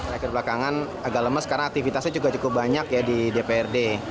terakhir belakangan agak lemes karena aktivitasnya juga cukup banyak ya di dprd